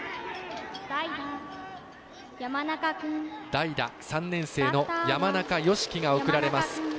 代打、３年生の山中淑生が送られます。